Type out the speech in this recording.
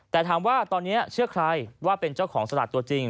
แต่ถามว่าตอนนี้เชื่อใครว่าเป็นเจ้าของสลากตัวจริง